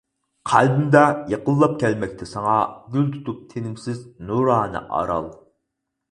قەلبىمدە يېقىنلاپ كەلمەكتە ساڭا، گۈل تۇتۇپ تىنىمسىز نۇرانە ئارال.